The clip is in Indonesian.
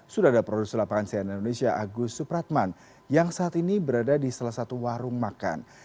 sudah ada produser lapangan cnn indonesia agus supratman yang saat ini berada di salah satu warung makan